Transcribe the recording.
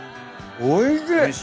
おいしい！